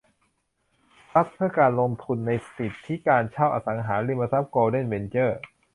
ทรัสต์เพื่อการลงทุนในสิทธิการเช่าอสังหาริมทรัพย์โกลเด้นเวนเจอร์